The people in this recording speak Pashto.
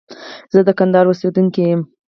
زه د کندهار اوسيدونکي يم.